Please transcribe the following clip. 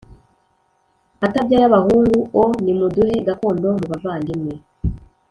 atabyaye abahungu o Nimuduhe gakondo mu bavandimwe